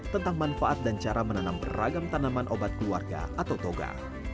tentang manfaat dan cara menanam beragam tanaman obat keluarga atau toga